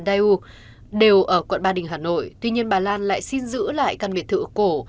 eu đều ở quận ba đình hà nội tuy nhiên bà lan lại xin giữ lại căn biệt thự cổ